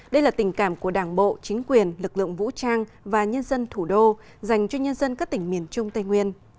đây là tình cảm của đảng bộ chính quyền lực lượng vũ trang và nhân dân thủ đô dành cho nhân dân các tỉnh miền trung tây nguyên